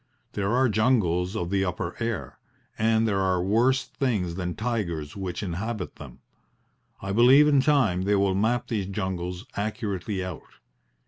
There are jungles of the upper air, and there are worse things than tigers which inhabit them. I believe in time they will map these jungles accurately out.